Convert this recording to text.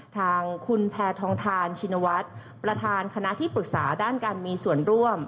ทางคุณแพทองทานชินวัฒน์ประธานคณะที่ปรึกษาด้านการมีส่วนร่วม